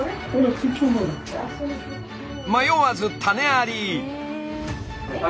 迷わず種あり！